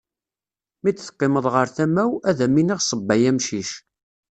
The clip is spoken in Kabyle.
Mi d-teqqimeḍ ɣer tama-w, ad am-iniɣ ṣebb ay amcic.